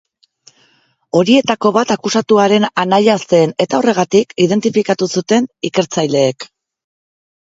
Horietako bat akusatuaren anaia zen eta horregatik identifikatu zuten ikertzaileek.